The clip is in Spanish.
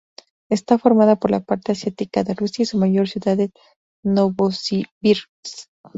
Está formada por la parte asiática de Rusia, y su mayor ciudad es Novosibirsk.